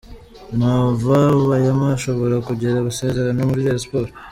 Nova bayama ashobora kongera amasezerano muri Rayon Sports.